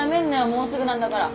もうすぐなんだから。